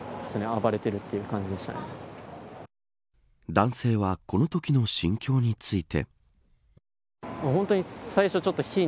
男性はこのときの心境について。